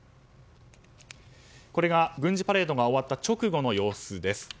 これが軍事パレードが終わった直後の様子です。